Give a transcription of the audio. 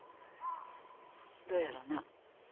どうやろな。